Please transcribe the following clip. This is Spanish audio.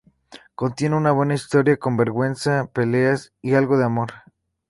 Contiene una buena historia con venganza, peleas y algo de amor.